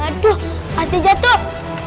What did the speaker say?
aduh hantu jatuh